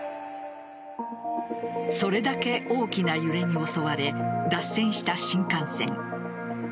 それだけ大きな揺れに襲われ脱線した新幹線。